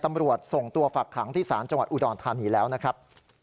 ตำรวจส่งตัวฝักขังที่ศาลจังหวัดอุดรธานีแล้วนะครับ